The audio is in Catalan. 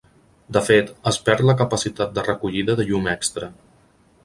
De fet, es perd la capacitat de recollida de llum extra.